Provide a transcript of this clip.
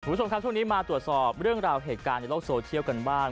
คุณผู้ชมครับช่วงนี้มาตรวจสอบเรื่องราวเหตุการณ์ในโลกโซเชียลกันบ้าง